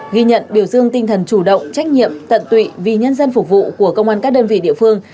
ghi nhận biểu dương tinh thần chủ động trách nhiệm tận tụy vì nhân dân phục vụ của công an các đơn vị địa phương